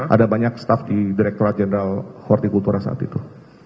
ada banyak staff di direktur adjanda hortikutura saat itu